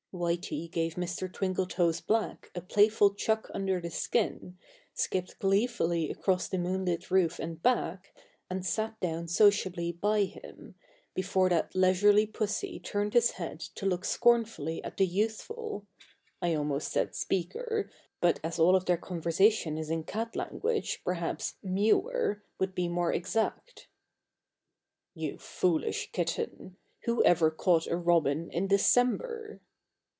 Whitey gave Mr. Twinkletoes Black a playful chuck under the chin, skipped gleefully across the moonlit roof and back, and sat down sociably by him, before that leisurely pussy turned his head to look scornfully at the youthful I almost said "speaker," but as all of their conversation is in cat language perhaps "mewer" would be more exact. "You foolish kitten! Who ever caught a robin in December?"